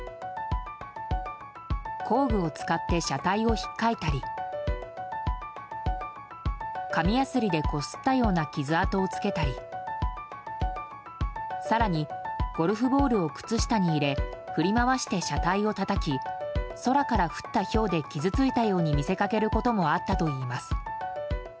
工具を使って車体を引っかいたり紙やすりでこすったような傷痕をつけたり更に、ゴルフボールを靴下に入れ振り回して車体をたたき空から降ったひょうで傷ついたように見せかけることもあったといいます。